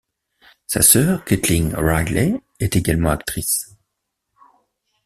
Sa sœur Kaitlin Riley est également actrice.